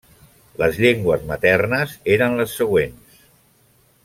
Les llengües maternes eren les següents.